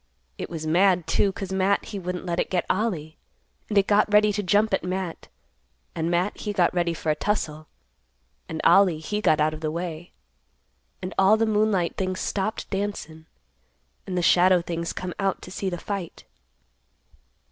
It was mad, too, 'cause Matt he wouldn't let it get Ollie. And it got ready to jump at Matt, and Matt he got ready for a tussle, and Ollie he got out of the way. And all the moonlight things stopped dancin', and the shadow things come out to see the fight."